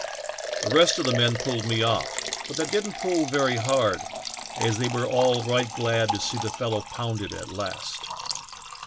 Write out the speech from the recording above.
The rest of the men pulled me off, but they didn't pull very hard as they were all right glad to see the fellow pounded at last.